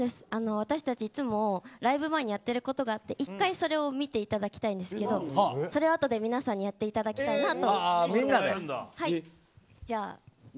私たちいつもライブ前にやっていることがあって１回それを見ていてたきたいんですけどそれを後で、皆さんにやっていただきたいなと。